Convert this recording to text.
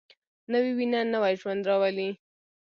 نوې وینه نوی ژوند راولي